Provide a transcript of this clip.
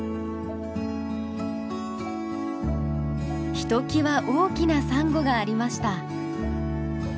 ひときわ大きなサンゴがありました。